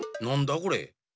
これ。